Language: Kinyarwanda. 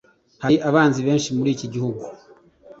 hari abanzi benshi muri iki gihugu